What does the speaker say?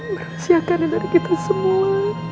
bersiapkan dari kita semua